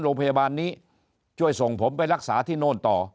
โรงพยาบาลนี้ช่วยส่งผมไปรักษาที่โน่นต่อ